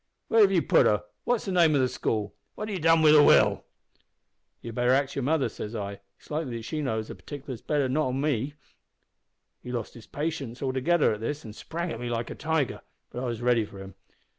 `Where have you put her? What's the name of the school? What have you done wi' the will?' "`You'd better ax your mother,' says I. `It's likely that she knows the partiklers better nor me.' "He lost patience altogether at this, an' sprang at me like a tiger. But I was ready for him.